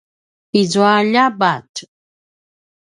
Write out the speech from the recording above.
izua ljabatj